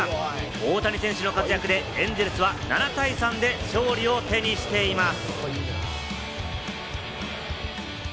大谷選手の活躍でエンゼルスは７対３で勝利しています。